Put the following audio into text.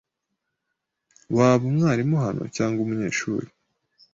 Waba umwarimu hano cyangwa umunyeshuri?